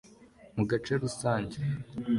Mu gace rusange